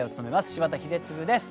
柴田英嗣です。